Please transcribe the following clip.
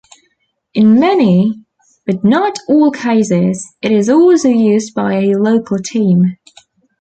In many, but not all cases, it is also used by a local team.